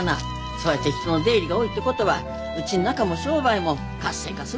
そうやって人の出入りが多いってことはうちの中も商売も活性化するってことやろ。